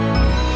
kamu hebat murdi